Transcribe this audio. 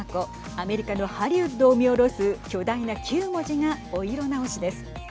アメリカのハリウッドを見下ろす巨大な９文字がお色直しです。